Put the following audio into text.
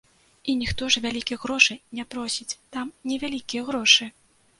І ніхто ж вялікіх грошай не просіць, там невялікія грошы.